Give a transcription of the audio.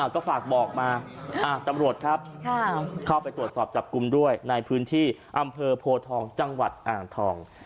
ก็ฝากบอกมาตำรวจครับเข้าไปตรวจสอบจับกลุ่มด้วยในพื้นที่อำเภอโพทองจังหวัดอ่างทอง